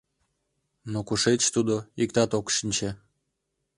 Но кушеч тудо, иктат ок шинче.